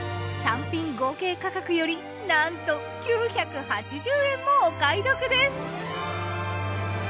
単品合計価格よりなんと９８０円もお買い得です。